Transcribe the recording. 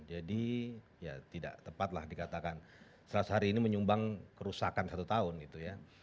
jadi ya tidak tepatlah dikatakan seratus hari ini menyumbang kerusakan satu tahun gitu ya